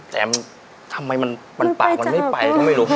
แต่ทำไมมันปากมันไม่ไป